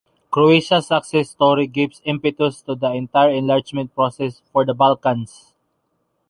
Croatia's success story gives impetus to the entire enlargement process for the Balkans.